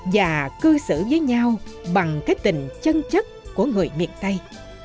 và cư xử với nhau bằng cái tình chân chất của người miền tây